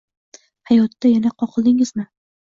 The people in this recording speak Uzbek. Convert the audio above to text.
Hayotda yana qoqildingizmi